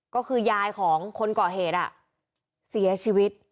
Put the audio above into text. ก็คือยายของคนก่อเหตุเสียชีวิต